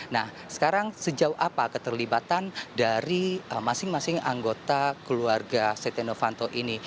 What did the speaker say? nah sekarang sejauh apa keterlibatan dari masing masing anggota keluarga setia novanto ini